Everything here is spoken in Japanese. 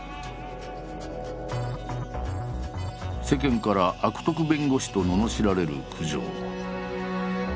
世間から「悪徳弁護士」とののしられる九条。